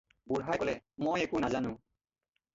"গাওঁবুঢ়াই ক'লে- "মই একো নাজানো।"